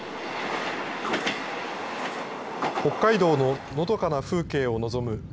北海道ののどかな風景を望む